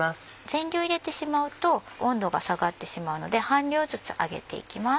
全量を入れてしまうと温度が下がってしまうので半量ずつ揚げていきます。